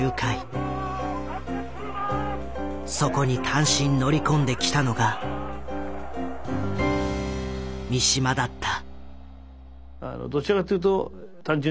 そこに単身乗り込んできたのが三島だった。